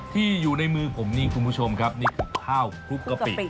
ที่อยู่ในมือผมนี่คุณผู้ชมครับนี่คือข้าวคลุกกะปิ